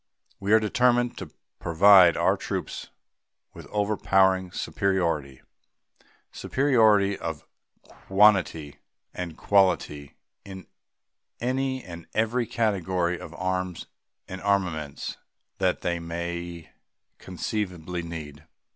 We are determined to provide our troops with overpowering superiority superiority of quantity and quality in any and every category of arms and armaments that they may conceivably need.